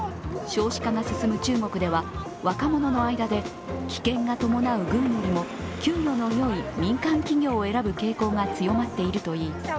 少子化が進む中国では、若者の間で危険が伴う軍よりも給与のよい民間企業を選ぶ傾向が強まっているといい